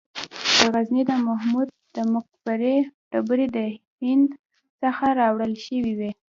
د غزني د محمود د مقبرې ډبرې د هند څخه راوړل شوې وې